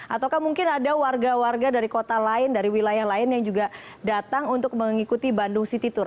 atau mungkin ada warga warga dari kota lain dari wilayah lain yang juga datang untuk mengikuti bandung city tour